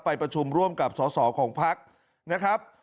ประชุมร่วมกับสอสอของพักนะครับ